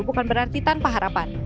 bukan berarti tanpa harapan